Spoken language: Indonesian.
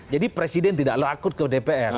jadi presiden tidak lakut ke dpr